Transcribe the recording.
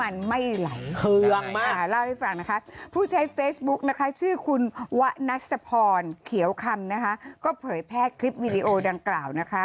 นี่คือวิธีวีโอดังกล่าวนะคะ